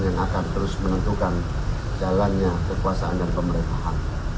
yang akan terus menentukan jalannya kekuasaan dan pemerintahan